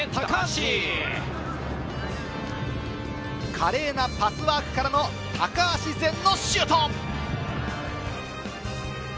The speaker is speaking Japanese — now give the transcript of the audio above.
華麗なパスワークからの高足善のシュート。